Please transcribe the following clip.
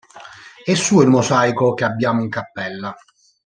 È suo il mosaico che abbiamo in Cappella.